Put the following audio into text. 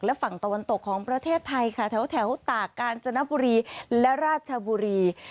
และฝั่งตะวันตกของประเทศไทยค่ะแถวตากกาญจนบุรีและราชบุรี